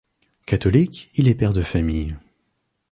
Catholique, il est père de famille.